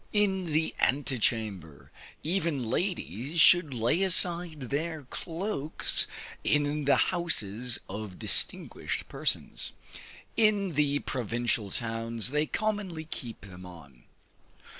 in the ante chamber, even ladies should lay aside their cloaks in the houses of distinguished persons. In the provincial towns they commonly keep them on.